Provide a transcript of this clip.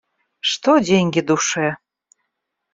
Что деньги душе?